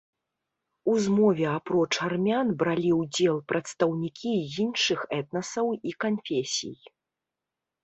У змове апроч армян бралі ўдзел прадстаўнікі і іншых этнасаў і канфесій.